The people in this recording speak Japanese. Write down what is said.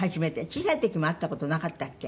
小さい時も会った事なかったっけ？